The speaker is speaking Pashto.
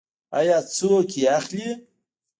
آیا څوک یې اخلي؟